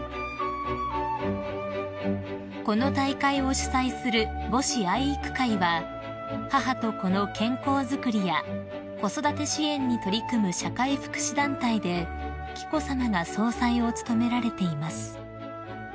［この大会を主催する母子愛育会は母と子の健康づくりや子育て支援に取り組む社会福祉団体で紀子さまが総裁を務められています］